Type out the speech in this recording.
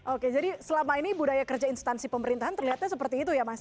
oke jadi selama ini budaya kerja instansi pemerintahan terlihatnya seperti itu ya mas